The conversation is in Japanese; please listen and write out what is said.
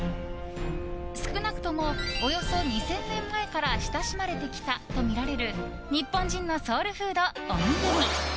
少なくともおよそ２０００年前から親しまれてきたとみられる日本人のソウルフード、おにぎり。